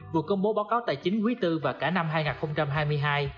vừa công bố báo cáo tài chính quý tư và cả năm hai nghìn hai mươi hai